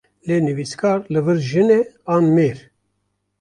Lê nivîskar li vir jin e, an mêr?